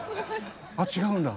「あ違うんだ！」